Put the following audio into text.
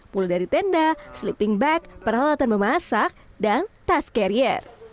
mulai dari tenda sleeping bag peralatan memasak dan tas carrier